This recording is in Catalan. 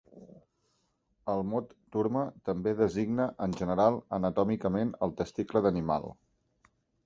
El mot turma també designa en general anatòmicament el testicle d'animal.